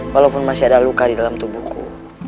walaupun masih ada luka di dalam tubuhku